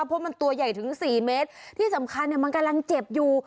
เพราะมันตัวใหญ่ถึงสี่เมตรที่สำคัญเนี่ยมันกำลังเจ็บอยู่